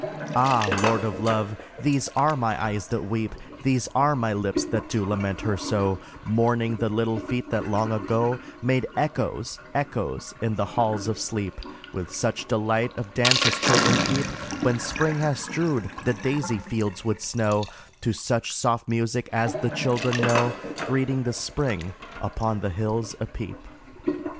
Ah ! Lord of Love, these are my eyes that weep, These are my lips that do lament her so, Mourning the little feet that long ago Made echoes, echoes, in the halls of sleep, With such delight of dance as children keep When spring has strewed the daisy fields with snow, To such soft music as the children know Greeting the spring, upon the hills a peep.